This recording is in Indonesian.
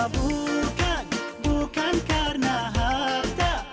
bukan bukan karena harta